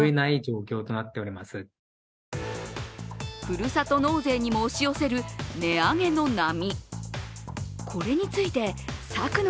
ふるさと納税にも押し寄せる値上げの波。